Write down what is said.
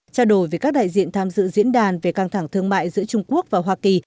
trao đổi về các đại diện tham dự diễn đàn về căng thẳng thương mại giữa trung quốc và hoa kỳ